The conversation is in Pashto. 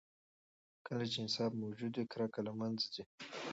کله چې انصاف موجود وي، کرکه له منځه ځي.